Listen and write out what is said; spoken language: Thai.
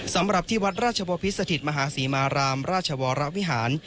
สำหรับที่วัดราชบพิษสถิตมหาศรีมารามราชวรวิหาร